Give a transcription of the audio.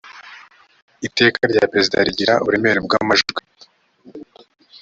iteka rya perezida rigira uburemere bw amajwi